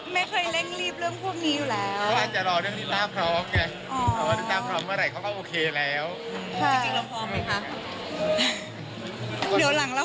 ไม่เคยเร่งรีบเรื่องพวกนี้อยู่แล้ว